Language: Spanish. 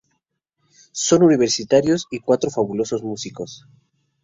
Son universitarios y cuatro fabulosos músicos.